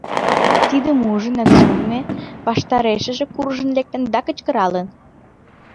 Тидым ужын, Нацуме ваштарешыже куржын лектын да кычкыралын: